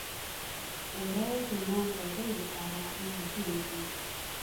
اوړه د نان پزی لپاره لازمي دي